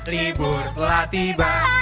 libur telah tiba